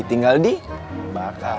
tinggal di bakar